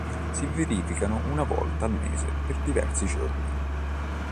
Si verificano una volta al mese per diversi giorni.